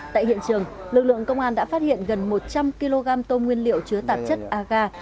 tại hiện trường lực lượng công an đã phát hiện gần một trăm linh kg tôm nguyên liệu chứa tạp chất aga